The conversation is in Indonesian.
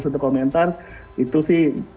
satu komentar itu sih